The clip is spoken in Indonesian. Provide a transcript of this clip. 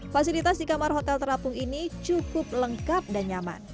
fasilitas di kamar hotel terapung ini cukup lengkap dan nyaman